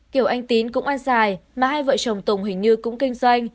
kiểu anh tín cũng ăn dài mà hai vợ chồng tùng hình như cũng kinh doanh